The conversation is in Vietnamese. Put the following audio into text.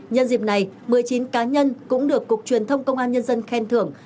nhân dịp này một mươi chín cá nhân cũng được cục truyền thông công an nhân dân khen thưởng